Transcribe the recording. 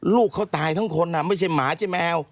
ลูกเขาตายทั้งคนไม่ใช่หมาใช่ไหมแมว